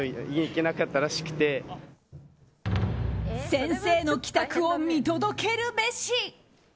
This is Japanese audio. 先生の帰宅を見届けるべし。